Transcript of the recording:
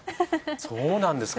そうなんですか。